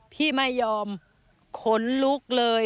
พี่ไม่ยอมขนลุกเลย